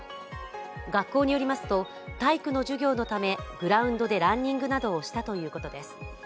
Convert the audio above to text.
学校によりますと、体育の授業のためグラウンドでランニングなどをしたということです。